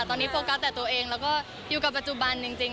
ตอนนี้โฟกัสแต่ตัวเองแล้วก็อยู่กับปัจจุบันจริง